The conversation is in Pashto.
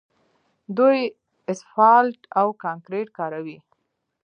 دوی اسفالټ او کانکریټ کاروي.